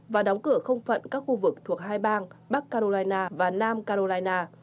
và đóng cửa không phận các khu vực thuộc hai bang bắc carolina và nam carolina